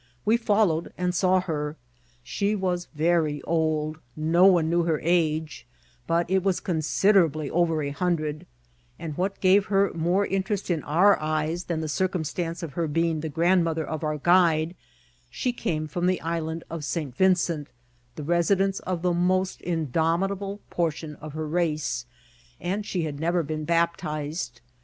We followed and saw her. She was very old ; no one knew her age, but it was consid erably over a hundred ; and, what gave her more in* t^rest in our eyes than the circumstance of her being the grandmother of our guide, she came from the isl and of St. Vincent, the residence of the most indomi table portion of her race ; and she had never been bap tised.